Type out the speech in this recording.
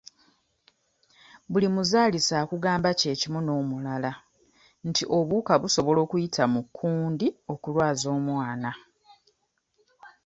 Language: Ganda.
Buli muzaalisa akugamba kye kimu n'omulala nti obuwuka busobola okuyita mu kundi okulwaza omwana.